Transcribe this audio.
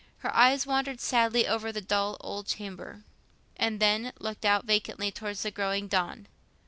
Her eyes wandered sadly over the dull old chamber, and then looked out vacantly towards the growing dawn.